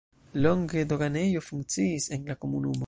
Longe doganejo funkciis en la komunumo.